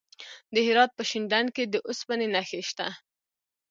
د هرات په شینډنډ کې د اوسپنې نښې شته.